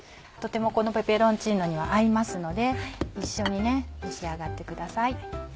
とてもこのペペロンチーノには合いますので一緒に召し上がってください。